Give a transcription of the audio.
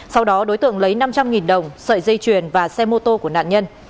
sau đó đối tượng lấy năm trăm linh đồng sợi dây chuyền và xe mô tô của nạn nhân